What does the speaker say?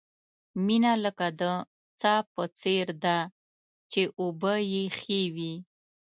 مینه لکه د څاه په څېر ده، چې اوبه یې ښې وي.